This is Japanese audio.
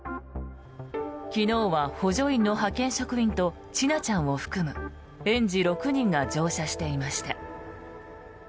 昨日は補助員の派遣職員と千奈ちゃんを含む園児６人が乗車していました。